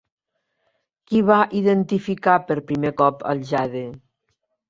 Qui va identificar per primer cop el jade?